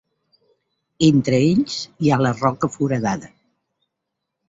Entre ells hi ha la Roca Foradada.